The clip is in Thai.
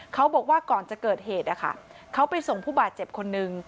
เขาบอกว่าก่อนจะเกิดเหตุนะคะเขาไปส่งผู้บาดเจ็บคนนึง